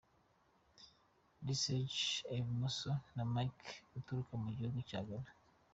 Dj esggy ibumoso na Mike uturuka mu gihugu cya Ghana.